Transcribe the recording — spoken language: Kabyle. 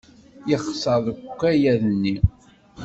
Yexṣer deg ukayad-nni.